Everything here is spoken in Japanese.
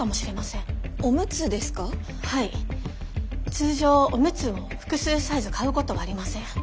通常オムツを複数サイズ買うことはありません。